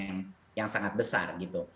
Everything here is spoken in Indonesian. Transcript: yang sangat besar gitu